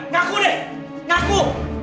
ngaku deh ngaku